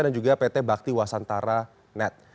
dan juga pt bakti wasantara net